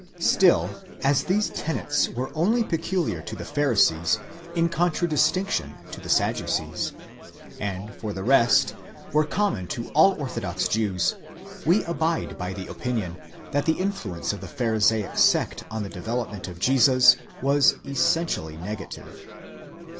'Still as these tenets were only peculiar to the Pharisees in contradis tinction to the Sadducees, and, for the rest, were common to all orthodox Jews, we abide by the opinion that the influence of the Pharisaic sect on the development of Jesus was essentially negative.